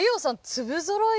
粒ぞろい